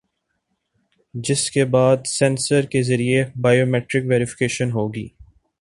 جس کے بعد سینسر کے ذریعے بائیو میٹرک ویری فیکیشن ہوگی